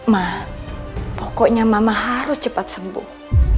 ma pokoknya mama harus cepat sembuh